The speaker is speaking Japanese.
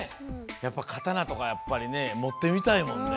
やっぱ刀とかやっぱりねもってみたいもんね。